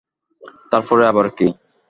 তার পরে আবার কী?